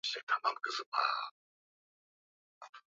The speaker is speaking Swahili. viazi lishe hulimwa kwa ajili ya chakula